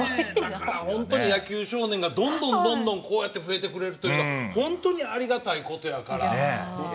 野球少年がどんどんこうして増えてくれるというのは本当にありがたいことやから。